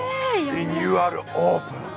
リニューアルオープン！